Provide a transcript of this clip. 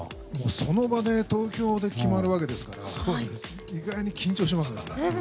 その場で投票で決まるわけですから意外に緊張しますね。